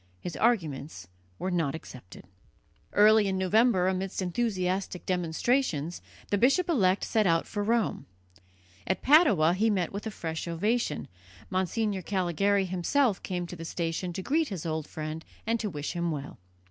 His arguments were not accepted. Early in November, amidst enthusiastic demonstrations, the bishop elect set out for Rome. At Padua he met with a fresh ovation, Monsignor Callegari himself came to the station to greet his old friend and to wish him well.